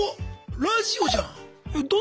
ラジオじゃん！